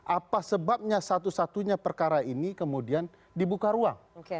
apa sebabnya satu satunya perkara ini kemudian dibuka ruang